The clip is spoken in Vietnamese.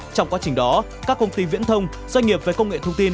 trong quá trình đó các công ty viễn thông doanh nghiệp về công nghệ thông tin